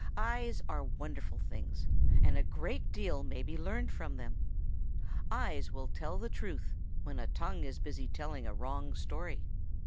Eyes are very wonderful things, and a great deal may be learned from them. Eyes will tell the truth when a tongue is busy telling a wrong story.